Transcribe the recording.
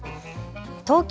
東京